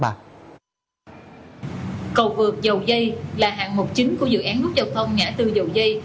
cầu vượt dầu dây là hạng mục chính của dự án nút giao thông ngã tư dầu dây